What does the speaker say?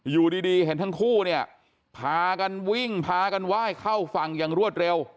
อยู่ดีเห็นทั้งคู่เนี่ยพากันวิ่งพากันไหว้เข้าฝั่งอย่างรวดเร็ว